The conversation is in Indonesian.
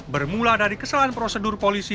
bermula dari kesalahan prosedur polisi